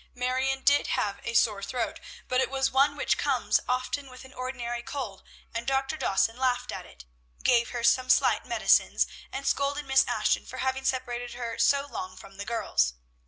Marion did have a sore throat, but it was one which comes often with an ordinary cold, and Dr. Dawson laughed at it, gave her some slight medicines, and scolded Miss Ashton for having separated her so long from the girls.